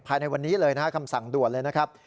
ภายในวันนี้เลยนะครับคำสั่งด่วนเลยนะครับ